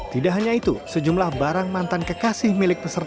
tidak hanya itu sejumlah barang mantan kekasih milik peserta